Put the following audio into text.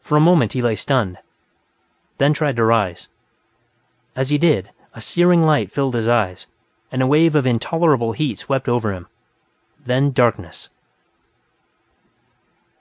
For a moment, he lay stunned, then tried to rise. As he did, a searing light filled his eyes and a wave of intolerable heat swept over him. Then darkness...